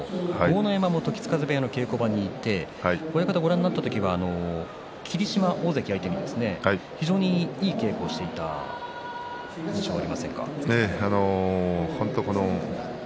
時津風部屋の稽古場にいて親方がご覧になった時は霧島大関相手に非常にいい稽古をしていたという印象ありませんでしたか？